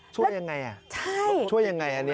ช่วยยังไงอ่ะใช่ช่วยยังไงอันนี้